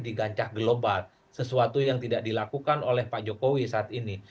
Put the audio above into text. di gancah global sesuatu yang tidak dilakukan oleh pak jokowi saat ini